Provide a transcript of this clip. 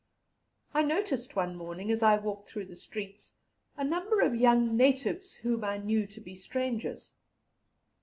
I noticed one morning, as I walked through the streets, a number of young natives whom I knew to be strangers.